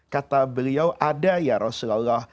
kata beliau ada ya rasulullah